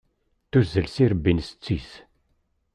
Tuzzel s irebbi n setti-s.